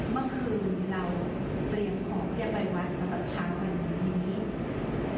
เมื่อคืนเราเตรียมของพี่ไปวันแล้วก็เช้าไปวันนี้